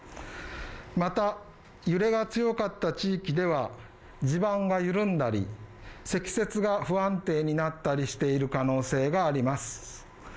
また、揺れが強かった地域では地盤が緩んだり、積雪が不安定になったりしている可能性があります。